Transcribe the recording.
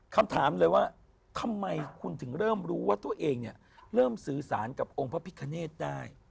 คำถามเลยว่าทำไมคุณถึงเริ่มรู้ว่าตัวเองเนี่ยเริ่มสื่อสารกับองค์พระพิคเนตได้